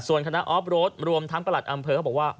ส่วนคณะออฟโรดรวมทั้งประหลัดอำเภอเขาบอกว่า